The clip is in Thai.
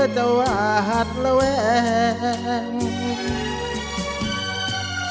จะวาดระแวกกันนะครับ